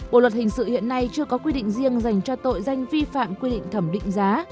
bộ luật hình sự hiện nay chưa có quy định riêng dành cho tội danh vi phạm quy định thẩm định giá